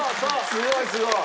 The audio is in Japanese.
すごいすごい！